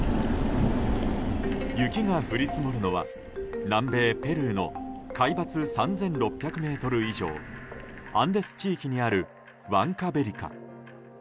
雪が降り積もるのは南米ペルーの海抜３６００ｍ以上アンデス地域にあるワンカベリカ。